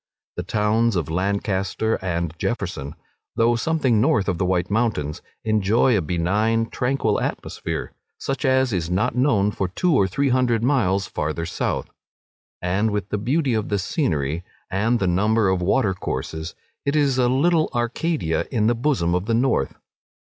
The towns of Lancaster and Jefferson, though something north of the White Mountains, enjoy a benign, tranquil atmosphere, such as is not known for two or three hundred miles farther south, and with the beauty of the scenery and the number of water courses, it is a little Arcadia in the bosom of the north.